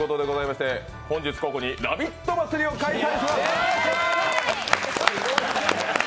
本日ここに、ラヴィット！祭りを開催します。